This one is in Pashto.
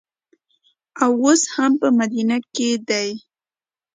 او اوس هم په مدینه کې دي.